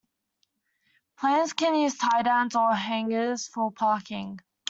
Planes can use tiedowns or hangars for parking.